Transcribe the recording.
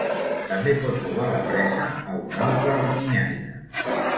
També pot robar la pressa a un altre rapinyaire.